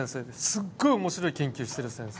すっごい面白い研究している先生。